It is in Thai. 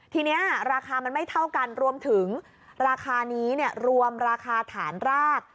ทีนี้ราคามันไม่เท่ากันรวมถึงราคานี้รวมราคาฐานราก